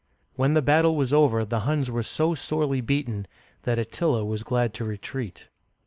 When the battle was over, the Huns were so sorely beaten that Attila was glad to retreat.